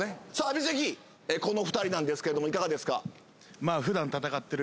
阿炎関この２人なんですけどもいかがですか？